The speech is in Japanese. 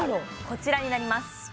こちらになります